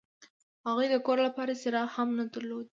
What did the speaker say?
هغوی د کور لپاره څراغ هم نه درلود